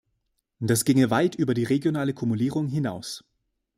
Das ginge weit über die regionale Kumulierung hinaus.